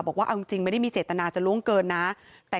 บอกว่าเอาจริงไม่ได้มีเจตนาจะล่วงเกินนะ